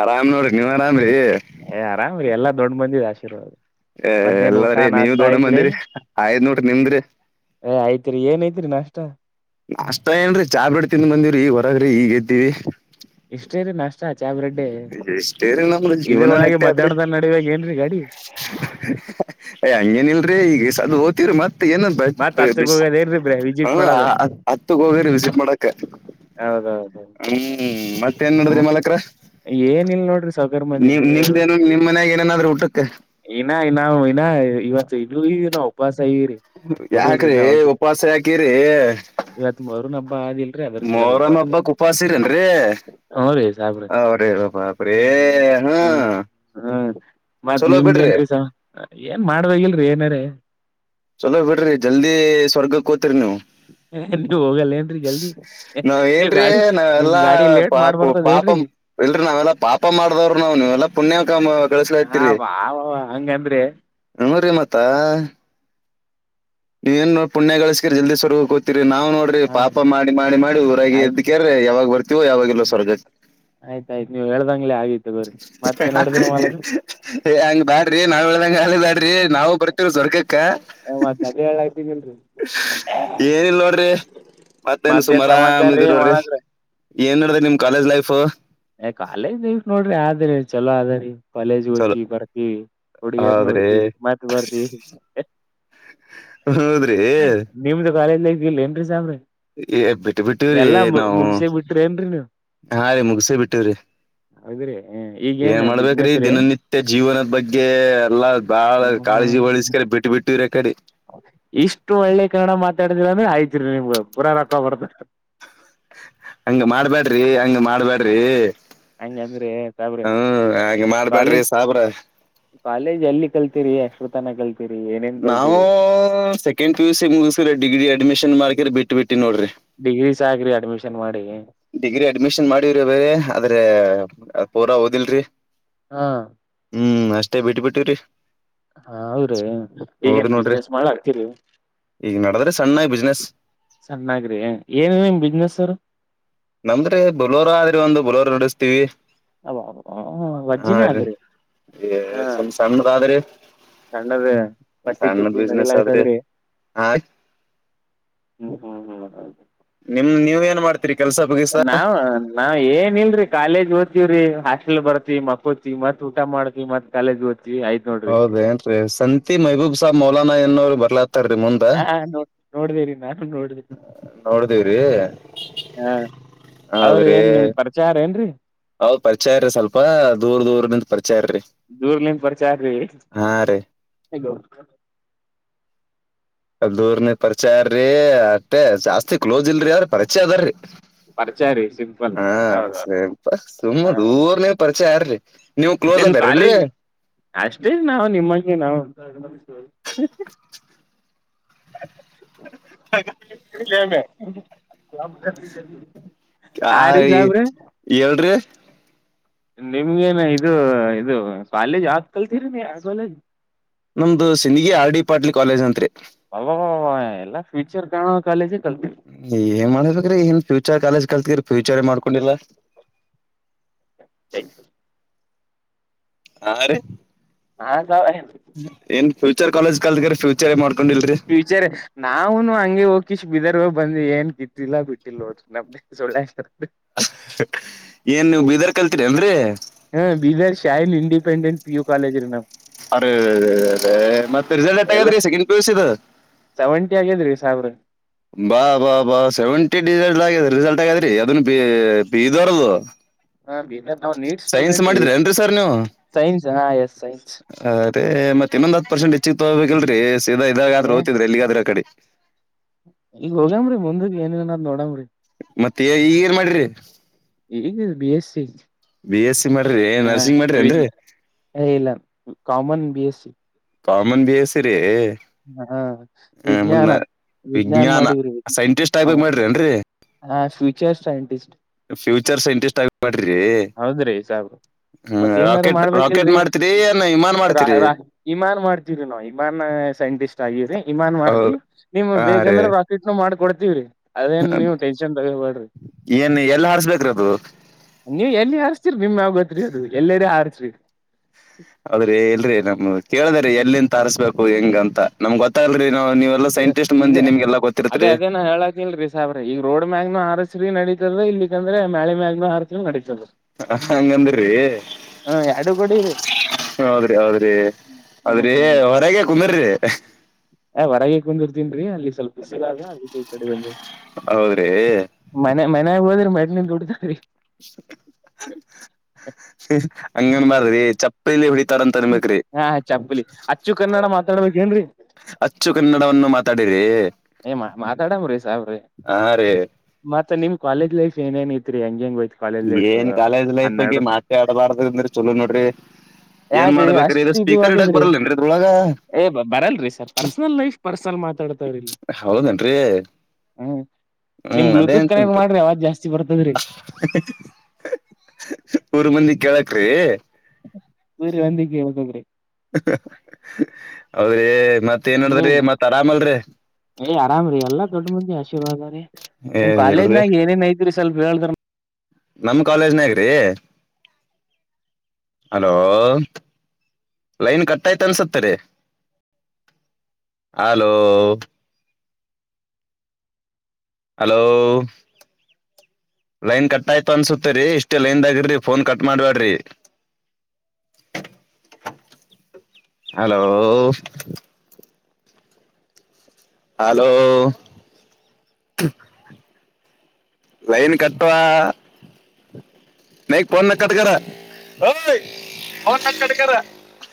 ಆರಾಮ್ ನೋಡ್ರಿ ನೀವ್ ಆರಾಮ್ರಿ ಏ -ಆರಾಮ್ ಎಲ್ಲಾ ದೊಡ್ಡ ಮಂದಿ ದು ಆಶೀರ್ವಾದ. ಏ, ಮಧ್ಯಾಹನ ಊಟ ಎಲ್ಲಾರಿ ನೀವ್ ನಾಷ್ಟ ದೊಡ್ಡ ಆಯ್ತರಿ-ಹು ಮಂದಿರಿ ಆಯ್ತ್ ನೋಡ್ರಿ ನಿಮ್ದ್ರಿ -ಏ- ಆಯ್ತ್ ತ್ರಿ ಏನ್ ಐತ್ರಿ ನಾಷ್ಟ. ನಾಷ್ಟ ಏನ್ರೀ ಚಹ ಬಿಡ್ತಿ ಬಂದೀರಿ ಹೊರಗ್ರಿ. ಇಷ್ಟೇರಿ ನಾಸ್ಟಾ. ಚಾ -ಚಹ್ ಬ್ರೆಡ್ಡೆ ಇಷ್ಟೇ ರೀ ನಮ್ದು ಜೀವನ ಇದರೊಳಗೆ ನೆಟ್ಟೆ ಆದ್ರಿ ಮಧ್ಯಾಹ್ನ ನಡೀಬೇಕು ಏನ್ರೀ ಗಾಡಿ. ಅಯ್ ಹಂಗೇನ ಇಲ್ರಿ ಈಗ ಸದ್ದ ಹೋಗ್ತೀವ್ರೀ ಮತ್ತ ಏನ ಮತ್ ಹತ್ತಕ್ ಬಿಸಿ. ಹೋಗೋದ ಏನ್ರೀ ಬ್ರ ವಿಸಿಟ್ ಮಾಡೋದ ಹ- ಹತ್ತಗ್ ಹೋಗರಿ ವಿಸಿಟ್ ಮಾಡಕ್ಕ. ಹ್ಮ್ ಹೌದೌದೌದೌದ -ಮತ್ತ ಏನ್ ನಡದಾದ್ರಿ ಮಾಲಕರ. ಏ -ಏನಿಲ್ಲ ನೋಡ್ರಿ ಸಾವಕಾರ ಮಂದಿ ನೀವ ನಿಮ್ದೇನು ಹೇಳ್ಬೇಕೆಲ್ಲ. ನಿಮ್ ಮನ್ಯಾಗ ಏನೇನಾದ್ರಿ ಊಟಕ್ಕ ಇನ -ಇ -ನಾ- ಇನಾ ಇವತ್ತು ಇನ್ನು ಈಡಿ ದಿನ ಉಪವಾಸ. ಸ- ಇರಿ ನೋಡಿಲ್ರಿ ಯಾಕ್ರಿ -ನಾ -ಹೋಗಿ ಉಪವಾಸ ಯಾಕಿರಿ ಇವತ್ ಮೊಹರಂ ಹಬ್ಬ ಆದಿಲ್ರಿ. ಮೊಹರಂ ಹಬ್ಬಕ್ಕೆ ಉಪಾಸಿರೇನ್ರರಿ. ಹ್ಮ್ ರೀ ಸಾಬ್ರ ಅವ್ರೇ ಹ್ಮ್ ಬಾಪ್ರೇ- ಹ್ಮ್ ಹಾ- ಹ್ಮ್- ಮತ್ತ ಚಲೋ ಬಿಡ್ರಿ ನಿಮ್ಡೆನ್ರೀ ಏನ್ ಮಾಡಬೇಕಿಲ್ರಿ ಏನಾರ. ಚಲೋ ಬಿಡ್ರಿ ಜಲ್ದಿ ಸ್ವರ್ಗಕ್ ಹೋಗ್ತೀರಿ ನೀವು. ಹ -ನೀವ್ ಹೋಗಲ್ಲ ಏನ್ರರಿ ಜಲ್ದಿ ನಾವ್ ನೀವ್ ಏನ್ರೀ ಗಾಡಿ ನಿಮ್ ನಾವೆಲ್ಲಾ ಗಾಡಿ ಲೇಟ್ ಪಾಪ ಮಾಡ್ಬರ್ತದ ಪಾಪ ಏನ್ರರಿ. ಇಲ್ರಿ ನಾವೆಲ್ಲಾ ಪಾಪ ಮಾಡ್ದವ್ರರು ನಾವು- ನೀ ಎಲ್ಲಾ ಪುಣ್ಯ ಕಾಮ ಹಾ ಕಳಸಲತಿರಿ. ಬಾ ಹಂಗಂದ್ರೆ ಅಮರಿ ಮತ್ತಾ. ನೀವೇನು ಪುಣ್ಯ ಗಳಿಸಿರೀ ಜಲ್ದ ಸ್ವರ್ ಹೋಗೋತೀರಿ. ರ್ರೀ-ನಾವ್ ನೋಡ್ರಿ ಪಾಪ ಮಾಡಿ ಮಾಡಿ ಮಾಡಿ ಊರಾಗ ಆಯ್ತು ಎದಕ್ಯ್ರ ಯಾವಾಗ ಬರ್ತಿ. ತಿವು ಯಾವಾಗಲ ಸ್ವರ್ಗ. ಆಯ್ತಾಯ್ತು ನೀವ್ ಹೇಳ್ದಂಗ್ಲೆ ಆಗಿತ್ ತಗೋರಿ ಮತ್ತೇನ್ ನಡದ್ರಿ ಮಾಲಕ್ ಏ- ಹಂಗ್ ಬ್ಯಾಡ್ರಿ ನಾವ್ದಂಗ ಆಳ ಬ್ಯಾಡ್ರಿ ನಾವು. ಬರ್ತೀರ ಸ್ವರ್ಗಕ್ಕ. ಮತ್ ಅದೇ ಹೇಳಾತಿನಲ್ರಿ ಏನಲ್ ನೋಡ್ರಿ ಮತ್ತೇನ್ ಸುಮ ಸಮಾಚಾರ ಆರಾಮಿದ್ ರೀ ನೋಡ್ರಿ. ಮಾಡಕ್ರ ಏನ್ ನಡ್ರಿ ನಿಮ್ ಕಾಲೇಜ್ ಲೈಫ್. ಏ -ಕಾಲೇಜ್ ಲೈಫ್ ನೋಡ್ರಿ ಆದ್ರಿ ಚಲೋ ಅದರಿ ಕಾಲೇಜ್ ಚಲೋ ಓಯ್ತೀವಿ ಬರ್ತೀವಿ. ಹುಡುಗಿಯರ್ ಹೌದ್ರಿ ನೋಡ್ತಿವಿ ಮತ್ ಬರ್ತಿ. ಹೌದ್ರಿ ಏಹ್ ನಿಮ್ದು ಕಾಲೇಜ್ ಇಲ್ಲಿ ಏನ್ರಿ ಸಾಂಬ್ರಿ. ಬಿಟ್ಟು ಬಿಟ್ಟವ್ರೀ ನಾವು ಮುಗಸೇ ಬಿಟ್ರಿ ಏನ್ರೀ ನೀವ್ -ಹಾ- ರೀ -ಮುಗ ಸೆ. ಬಿಟ್ಟರೆ [unintelligible] ಏನ್ ಮಾಡ್ಬೇಕ್ರಿ ಬಿಸ್ನೆಸ್ ರೀ ದಿನನಿತ್ಯ ಜೀವನದ ಬಗ್ಗೆ ಎಲ್ಲಾ ಬಾಳ ಹ್ಮ ಕಾಳಜಿ ಹಳಸ್ಕರ ಬಿಟ್ಟ ಬಿಟ್ಟ ದೂರ ಕಡೆ ಇಷ್ಟು ಒಳ್ಳೆ ಕನ್ನಡ ಮಾತಾಡಿದಿರ ಅಂದ್ರೆ ಆಯತ್ರಿ ನಿಮ್ಗ ಬುರಾ ರಕ್ಕ ಬರ್ತ ಹಂಗ ಮಾಡ್ಬ್ಯಾಡ್ರಿ ಹಂಗ. ಮಾಡ್ಬ್ಯಾಡ್ರಿ- ಹಂಗಂದ್ರಿ ಸಾಬ್ರಿ ಹ್ಮ- ಹಾಗೆ ಮಾಡ್ಬ್ಯಾಡ್ರಿ ಕಾಲೇಜ್ ಸಾಬ್ರೇ ಕಾಲೇಜ್ ಎಲ್ಲಿ ಕಲ್ತೀರಿ ಯಕ್ಷ್ರತನ ಕಲ್ತರಿ. ನಾವು ಸೆಕೆಂಡ್ ಪಿ -ಯು -ಸಿ -ಮುಗಿಸಕ್ರ ಡಿಗ್ರಿ ಅಡ್ಮಿಷನ್ ಮಾಡ್ಕರ ಬಿಟ್ಟ ಬಿಟ್ಟಿ ನೋಡ್ರಿ. ಡಿಗ್ರಿ ಸಾಕ್ರಿ ಅಡ್ಮಿಷನ್ ಮಾಡಿ. ಡಿಗ್ರಿ ಅಡ್ಮಿಷನ್ ಮಾಡವ್ರಿ ಆದದ್ರೆ ಪೂರಾ ಓದಿಲ್ರಿ. ಹ್- ಹ್ಮ್ -ಅಷ್ಟೇ ಬಿಟ್ಟ ಬಿಟ್ಟ್ ರ್ರುವಿ ಹಾ -ಹೌದ್ರೀ ಈಗೇನ್ ಬಿಸ್ನೆಸ್ ಮಾಡ ಹಡ್ತೀರಿ. ಈಗ ನಡದ್ರೆ ಸಣ್ಣ ಬಿಸ್ನೆಸ್ ಸಣ್ಣಾಗ್ರಿ ಏನ್ ನಿಮ್ಮ ಬಿಸ್ನೆಸ್ರು. ನಮ್ದ್ರೆ ಬುಲೋರ ಆದ್ರೆ ಒಂದು ಬುಲೋರ್ ನಡೆಸ್ತೀವಿ ಅ ವಜ್ಜಿನೇ ಆದ್ರೆ ಸಂಸಣ್ಣದಾದರಿ ಸಣ್ಣದ ಬಟ್ಟಿ ತುಕ್ಲಿ ನಡಿಲ ಆದ್ರಿ ಆ್ತದ್ರಿ ಹಾ ಹ್ಮ್ ಹ್ಮ್ ಹ್ಮ್ ಹ ನಿಮ್ ನೀವ್ ಏನ್ ಮಾಡ್ತೀರಿ ಕೆಲ್ಸ ಬಗಿಸ ನಾವ್ ನಾವ್ ಏನ್ ಇಲ್ರಿ ಕಾಲೇಜ್ ದ ವ್ರೀ ಹಾಸ್ಟೆಲ್ ಬರ್ತಿ ಮಕ್ಕೋತಿತ್ ಊಟ ಮಾಡತತಿ ಮತ್ ಕಾಲೆಜ್ ಓದ್ತಿ ಹೌದ ಏನ್ರೀ ಸಂತಿ ಮಹಬೂಬ್ ಸಾಹಬ್ ಮೌಲಾನಾ ಎನ್ನೋರು ಬರ್ಲತ್ ತರಿ ಮುಂದ ಹಾ ನೋಡ್ ನೋಡ್ದೇರಿ ನಾನು ನೋಡ್ದೆ ನೋಡ್ದೀವ್ರಿ ಹಾ ಅವ್ರ ಏನ್ ನಿಮ್ ಪ್ರಚಾರ ಏನ್ರೀ ಹೌದ್ ಪರಿಚಯ ಇರಿ ಸ್ವಲ್ಪ ದೂರ್ ದೂರ್ ನಿಂತ ಪರಿಚಯ ಇರ್ರಿ ವಿಚಾರ ರ ಹ ಅ ದೂರ್ನ ಪರಿಚಯರ್ರೀ ಅಷ್ಟೆ ಜಾಸ್ತಿ ಕ್ಲೋಸ್ ಇಲ್ರರಿ ಅವದ್ರಿ ಪರಿಚಯ ಅದಾರ್ರೀ ಪರಿಚಯ ರೀ ಸಿಂಪಲ್ ಹ ಹೌದೌದು ಸ್ವಂಪ ಸುಮ್ಮಾ ಹಾ ದೂರ ನೀವು ಪರಿಚಯ ಆ್ರ ನೀವು ಕ್ಲೋಸ್ ನಿಮ ಅದಾರೇನ್ರಿ ಕಾಲೇಜಿ ಅಷ್ಟೇ ನಾವು ನಿಮ್ಮಂಗೆ ನಾವುದು [unintelligible] ಆ ಹಾ ರೀ ಎಲ್ರೀ ನಿಮ್ಗೇನ ಇದು ಇದು ಕಾಲೇಜ್ ಆದತ್ ಕಲ್ತೀರಿ ನೀ ಕಾಲೇಜ್ ನಮ್ದು Sindagi R D Patil college ಅಂತ್ರಿ ಅಲ್ವ ಎಲ್ಲಾ ಫ್ಯೂಚರ್ ಕಾಣೋ ಕಾಲೇಜಲ್ ಏನ್ ಮಾಡಬೇಕ್ರಿ ಇನ್ ಫ್ಯೂಚರ್ ಕಾಲೇಜ್ ಕಲ್ತ್ರ ಫ್ಯೂಚರ್ ಮಾಡ್ಕೊಂಡಿಲ್ಲ ಥಾಂಕ್ ಯು ಹಾ ರೀ ಹಾ ಸ ಏನ್ ಫೂಚರ್ ಕಾಲೇಜ್ ಕಲ್ದ್ರ ಫ್ಯೂಚರ್ ಏ ಮಾಡ್ತ ಫ್ಯೂಚರ್ ನಾವುನು ಹಂಗೆ ಹೋಗಿ ಬಿದರ್ ಬಂದು ಏನ್ ಕಿತ್ತಿಲ್ಲಾ ಬಿಟ್ಟಿಲ್ ಹೋದ್ರ ನ ಸಳ್ಳೆಾರ ಹ ಹಾ ಬೀದರ್ ಶಹನ್ ಇಂಡಪೆಂಡೆಂಟ್ ಪಿ ಯು ಕೇಜ ನ ಅರಿ ಅದ ಮತ್ತತ್ ರಿಸಲ್ಟ್ ಎತ್ತಗಾದ್ರೀ ಸೆಕೆಂಡ್ ಪಸ್ ಇ ಸವೆಂಟಿ ಆಗಿದ್ರಿ ಸಾಹೆಬ್ರೆ ಬಾ ಬಾ ಬಾ ಸೆವೆಂಟಿ ಡಿಸ ಆ ರಿಸಲ್ಟ್ ಆಗಾದ್ರೀ ಅದನ್ನುಬೀದರದು ಹಾ ಬ ನಾ್ ನೀಟ್ ಸ್ಟೂಡೆಂಟ್ ರೀ ಸರ್ ನೀವು ಸೈನ್ಸ್ ಹಾ ಎಸ್ ಸೈನ್ಸ್ ಮತ್ತೆ ಮತ್ತೆ ಇನ್ನೊ್ ಹತ್ ಪರ್ಸೆಂಟ್ ಹೆಚ್ಚಿಗೆ ತಗೋಬೇಕಲ್ರರಿ ಸೀದಾ ಇದಾಗ್ರ ಏ ಓದ್ತಿದ್ರಿ ಎಲ್ಲಿಗಾದ್ರ ಆ ಕಡೆ ಈಗ ಹೋಗ್ಯಾಮ್ರರಿ ಮುಂದಗ್ ಏನಿಲ್ಲ ಅದ್ ನೋಡಾಮ್ರಿ ಮತ್ತೆ ಈಗ ಏನ್ ಮಾಡಿರಿ ಈಗ ಬಿ ಎಸ್ ಸಿ ಸಿ ಮಾಡ್ರಿ ಹ ನರ್ಸಿಂಗ್ ಮಾಡ್ರಿ ಏನ್ರಿ ವಿದ್ಯ ಅ ಇಲ್ಲ common B S. Common B SE ರಿ ಹಾ ವಿಜ್ಞಾನ ವಿಜ್ಞಾನ್ ವಿಜ್ಞಾನ ಮಾಡಿರುದು ಸೈಂಟಿಸ್ಟ್ ಹ ಆಗ್ಬೇಕ್ ಮಾಡ್ರಿ ಹ ಫ್ಯೂಚರ್ ಸೈಂಟಿಸ್ಟ್ ಫ್ಯೂಚರ್ಸ್ ಇಂಟ್ರೆಸ್ಟ್ ಆಗ್ಬಡ್ರಿರಿ ಮತ್ತ ಏನಾರು ಏನ್ ವಿಮಾನ ಮಾಡ್ತೀರಿ ಮಾಡ್ಬೇಕಿಲ್ರರಿಾ ಇಮಾನ್ ಮಾಡ್ತವಿ ನಾವ್ ಇಮಾನ್ ಸೈಂಟಿಸ್ಟ್ ಆಗಿರರಿ ಇಮಾನ್ ಹೌ- ಮಾಡ್ನಿಮ್ ಹಾ ರೀ ಬೇಗಂದ್ರೆ ರಾಕೆಟ್ ನ ಮಾಡ್ಕ ಕೊಡ್ತೀವ್ರೀ ಅದೇನ್ ನೀವು ಟೆನ್ಷನ್ ತಗೋಬಡ್ರಿ ಏನ್ ಎಲ್ಲಿ ಹಾರಿಸ್ಬೇಕ್ರಿ ಅದು ನೀವು್ ಎಲ್ಲಿ ಹಾರ್ಸ್ತೀರಿ ಬಿಮ್ಮ ಯಾವ ಗೊತ್ರಿ ಅದು ಎಲ್ಲೆಡೆ ಹಾರ್ಸ್ರಿ ಹೌದ್ರಿ ಇಲ್ರಿ ನಮ್ ಕೇಳ್ದ್ರ ಎಲ್ಲಿಂತ ತಾರಸ್ಬೇಕು ಹೆಂಗ ಅಂತ ನಮ್ಗ್ ಗೊತ್ತಾಗಲ್ರಿ ನಾವ್ ನೀವೆಲ್ಲಾ ಈಗ ಸೈಂಟಿಸ್ಟ್ ಈಗ ಮಂದಿ ನಿಮ್ಗೆಲ್ಲಾ ಅದೇ ಗೊತ್ತಿರ್ತ್ರಿ ಅದೇ ನಾ ಹೇಳಾತಿಲರಿ ಸಾಬ್ರ ಈಗ ರೋಡ್ ಮ್ಯಾಗನ ಹಾರಸ್ರೀ ನಡೀ. ಇಲ್ಲಿಕ್ಕಂದ್ರೆ ಮ್ಯಾಳಿ ಮ್ಯಾಗನೂ ಹಾರಸುರ ನಡೀತದ. ಹ ಹಂಗಂದುರಿ. ಹ್ಮ ಎರಡು ಕೊಡಿರಿ ಹೌದ್ರಿ ಹೌದ್ರಿ ಹ್ಮ್ ಹ್ಮ್ ಅದ್ರಿ ಹ್ಮ್ ಹೊರಗೆ ಕುಂದ್ರಿ. ಹೊರಗೆ ಕುಂದುರ್ತೀನ್ರೀ ಅಲ್ಲಿ ಸ್ವಲ್ಪ ಬಿಸಿಲ ಅದ ಅದ್ಕೆ ಈ ಕಡೆ ಬಂದಿನಿ. ಹೌದ್ರಿ ಮನೆ ಮನ್ಯಾಗ ಹೋದ್ರ ಮೆಟ್ನಿಂದ ದುಡಿತಾರಿ. ಹ ಹಂಗ ಅನ್ಬರ್ದರಿ ಚಪ್ಪಲಿಲಿ ಹೊ ಹಾ ಚಪ್ಪಲಿ ಅಚ್ಚು ಕನ್ನಡ ಮಾತಾಡ್ಬೇಕೇನ್ರಿ. ಅಚ್ಚು ಕನ್ನಡವನ್ನು ಮಾತಾಡಿರಿ. ಏ ಮಾ ಮಾತಾಡಾಮರಿ ಸಾಬ್ರೆ ಹಾ ರೀ ಮತ್ತ ನಿಮ್ ಕಾಲೇಜ್ ಲೈಫ್ ಏನೇನ್ ಇತ್ರಿ ಹೆಂಗಂಗ ಏನ್ ಕಾಲೇಜ್ ಲೈಫ್ ಬಗ್ಗೆ ಮಾತ ಆಡ್ಬಾರ್ದ ಅಂದ್ರ ಚಲೋ ನೋಡ್ರಿ. ಏನ್ ಯಾಕ್ರಿ ಮಾಡ್ಬೇಕ್ರೀ ಇದ ಅಷ್ಟ್ ಇದು ಸ್ಪೀಕರ್ ಇಡಾಕ್ ಆಗ್ಯದ್ರಿ ಬರಲ್ಲೇನ್ರೀ ಇದ್ರೊಳಗ. ಏ ಬರಲ್ರಿ ಸರ್ ಪರ್ಸನಲ್ ಲೈಫ್ ಪರ್ಸನಲ್ ಮಾತಾಡ್ತವ್ರ ಇಲ್ಲಿ. ಹೌದೇನ್ರಿ ಹ್ಮ್ ನಿಮ್ ಹ್ಮ್ ಅದೇ ಬ್ಲೂಟೂತ್ ಕನೆಕ್ಟ್ ಅಂತನ್ರಿ. ಮಾಡ್ರಿ ಅವಾಜ್ ಜಾಸ್ತಿ ಬರ್ತದ್ರಿ ಊರ್ ಮಂದಿ ಕೇಳಕ್ರಿ. ಊರ ಮಂದಿಗ ಕೇಳ್ತದ್ರಿ. ಹೌದ್ರಿ ಮತ್ತ ಏನ್ ನಿಮ್ ನಡದ್ರಿ ಮತ್ತ್ ಆರಾಮಲರಿ. ಏ ಆರಾಮ್ ರೀ ದೊಡ್ಡ ಮುಂದಿ ಆಶೀರ್ವಾದ ರೀ ಏ ನಿಮ್ ಇಲ್ರಿ ಕಾಲೇಜ್ನಾಗ ಏನೇನ್ ಐತ್ರಿ ಸ್ವಲ್ಪ ಹೇಳದ್ರ. ನಮ್ ಕಾಲೇಜ್ನಾಗ್ರಿ ಹಲೋ. ಲೈನ್ ಕಟ್ಟಾಯ್ತ ಅನ್ಸತ್ತರಿ ಹಲೋ. ಹಲೋ ಲೈನ್ ಕಟ್ ಆಯ್ತು ಅನ್ಸುತ್ತೇರಿ ಇಷ್ಟೇ ಲೈನ್ದಾಗ ಇಡ್ರಿ ಫೋನ್ ಕಟ್ ಮಾಡ್ಬ್ಯಾಡ್ರಿ. ಹ [inaudible] ಹಲೋ ಹಲೋ ಲೈನ್ ಕಟ್ಟ್ಟವಾ. ನ ೋನ್ ನ ಕಟ್ಕ ೋನ್ ನ ಕಟ್ಕ [unintelligible]